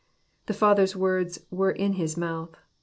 The Father's words were in His mouth.